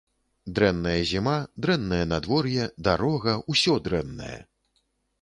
Дрэнная зіма, дрэннае надвор'е, дарога, усё дрэннае!